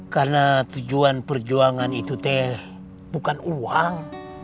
karena tujuan perjuangan itu teh bukan uang